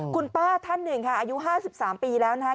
คุณป้าท่านหนึ่งค่ะอายุ๕๓ปีแล้วนะคะ